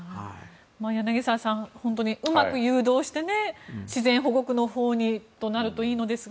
柳澤さん、うまく誘導して自然保護区のほうにとなるといいのですが。